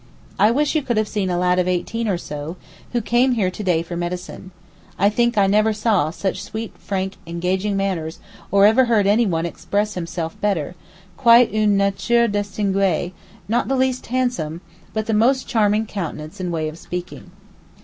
I wish you could have seen a lad of eighteen or so, who came here to day for medicine. I think I never saw such sweet frank, engaging manners, or ever heard any one express himself better: quite une nature distinguée, not the least handsome, but the most charming countenance and way of speaking.